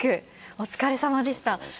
お疲れさまでした。